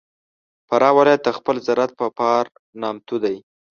فراه ولایت د خپل زراعت په پار نامتو دی.